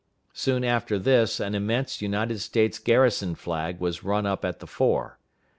Soon after this an immense United States garrison flag was run up at the fore.